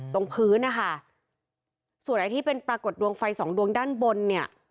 ตรงพื้นนะคะส่วนไอ้ที่เป็นปรากฏดวงไฟสองดวงด้านบนเนี่ย